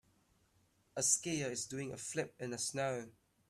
A skier is doing a flip in the snow.